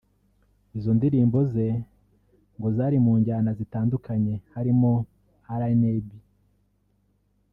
Izo ndirimbo ze ngo zari mu njyana zitandukanye harimo Rnb